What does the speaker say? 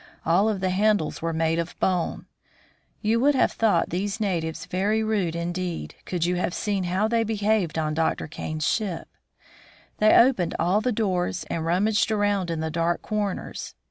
All of the handles were made of bone. You would have thought these natives very rude indeed, could you have seen how they behaved on Dr. Kane's ship. They opened all the doors and rummaged around in the dark corners.